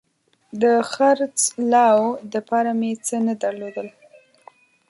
د خرڅلاو دپاره مې څه نه درلودل